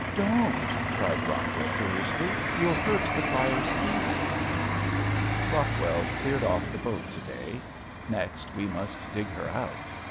"Don't" cried Rockwell seriously, "you'll hurt the fire's feelings." Rockwell cleared off the boat to day. Next we must dig her out.